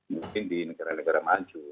mungkin di negara negara maju